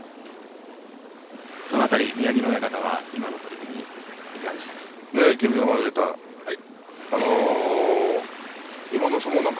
そのあたり、宮城野親方は今の取組、いかがでしたか？